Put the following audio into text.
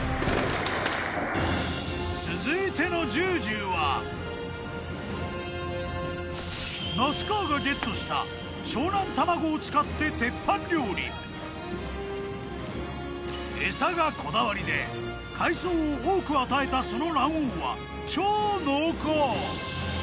続いてのジュージューは那須川がゲットしたエサがこだわりで海藻を多く与えたその卵黄は超濃厚！